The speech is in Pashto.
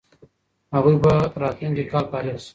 هغوی به راتلونکی کال فارغ سي.